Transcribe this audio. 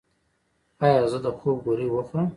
ایا زه د خوب ګولۍ وخورم؟